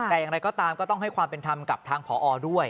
แต่อย่างไรก็ตามก็ต้องให้ความเป็นธรรมกับทางผอด้วย